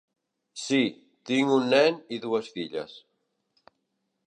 Sí, tinc un nen i dues filles.